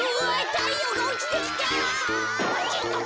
たいようがおちてきた。